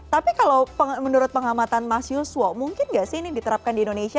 tapi kalau menurut pengamatan mas yuswo mungkin nggak sih ini diterapkan di indonesia